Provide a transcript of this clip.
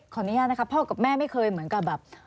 ขออนุญาตนะคะพ่อกับแม่ไม่เคยเหมือนกับแบบ